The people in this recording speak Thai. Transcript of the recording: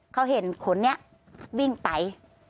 เขาเห็นคนนี้วิ่งไป